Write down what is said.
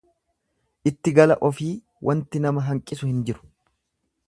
Itti gala ofii wanti nama hanqisu hin jiru.